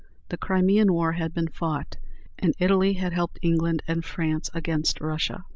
The Crimean War had been fought, and Italy had helped England and France against Russia.